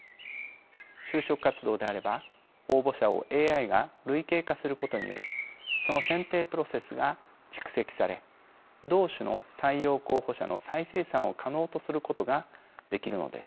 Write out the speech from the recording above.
就職活動であれば応募者をＡＩが類型化することによりその選定プロセスが蓄積され同種の採用候補者の再生産を可能とすることができるのです。